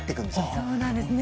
そうなんですね。